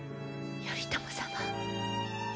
頼朝様。